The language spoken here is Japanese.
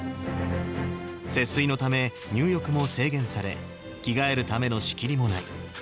節水のため、入浴も制限され、着替えるための仕切りもない。